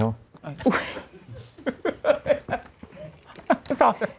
ต้องตอบ